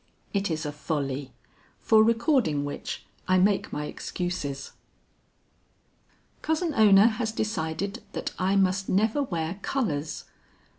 "It is a folly; for recording which, I make my excuses." "Cousin Ona has decided that I must never wear colors.